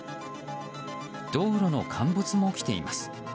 道路の陥没も起きています。